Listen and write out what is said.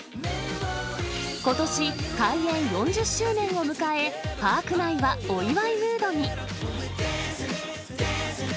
ことし、開園４０周年を迎え、パーク内はお祝いムードに。